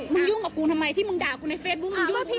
ยุ่งกับกูทำไมที่มึงด่ากูในเฟซบุ๊ค